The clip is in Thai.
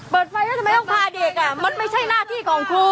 เปิดไฟแล้วทำไมต้องพาเด็กอ่ะมันไม่ใช่หน้าที่ของครู